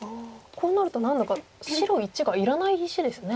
こうなると何だか白①がいらない石ですね。